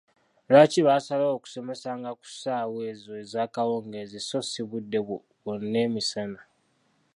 Lwaki baasalawo okusomesanga ku ssaawa ezo ezakawungeezi so si budde bwonna emisana?